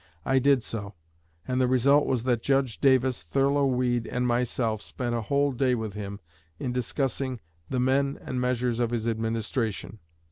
I did so, and the result was that Judge Davis, Thurlow Weed, and myself spent a whole day with him in discussing the men and measures of his administration.